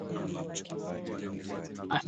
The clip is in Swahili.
Alipata pesa kwa njia halali